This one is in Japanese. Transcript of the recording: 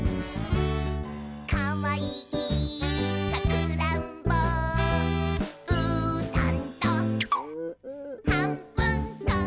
「かわいいさくらんぼ」「うーたんとはんぶんこ！」